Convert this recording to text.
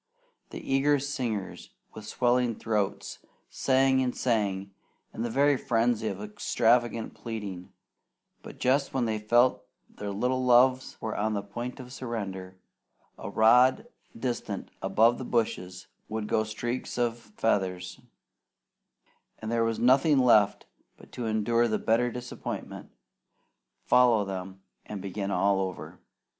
The eager singers, with swelling throats, sang and sang in a very frenzy of extravagant pleading, but just when they felt sure their little loves were on the point of surrender, a rod distant above the bushes would go streaks of feathers, and there was nothing left but to endure the bitter disappointment, follow them, and begin all over.